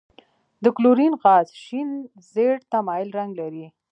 د کلورین غاز شین زیړ ته مایل رنګ لري.